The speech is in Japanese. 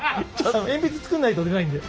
鉛筆作んないと出ないんで。